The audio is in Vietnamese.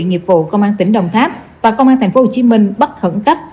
nghiệp vụ công an tỉnh đồng tháp và công an thành phố hồ chí minh bắt hẳn cấp